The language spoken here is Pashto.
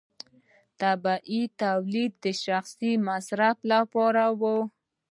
طبیعي تولید د شخصي مصرف لپاره و.